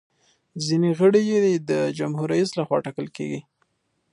ځینې غړي یې د جمهور رئیس لخوا ټاکل کیږي.